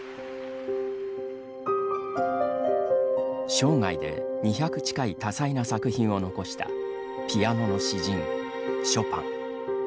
生涯で２００近い多彩な作品を残したピアノの詩人ショパン。